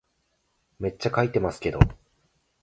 めっちゃ書いてますけど